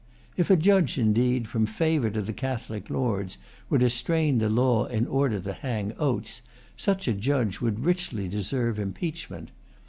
If a judge, indeed, from favor to the Catholic lords, were to strain the law in order to hang Oates, such a judge would richly deserve impeachment.